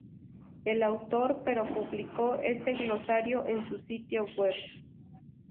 El autor pero publicó este glosario en su sitio web.